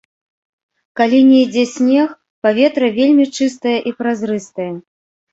Калі не ідзе снег, паветра вельмі чыстае і празрыстае.